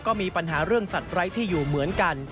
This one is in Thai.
ก็มีปัญหาเรื่องสัตว์ไร้ที่อยู่เหมือนกัน